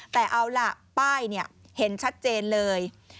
แต่เอาล่ะป้ายเห็นชัดเจนเลย